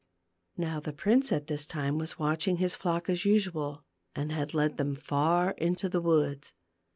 Now the prince at this time was watching his flock as usual, and had led them far into the woods.